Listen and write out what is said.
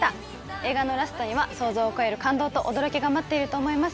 映画のラストには想像を超える感動と驚きが待っていると思います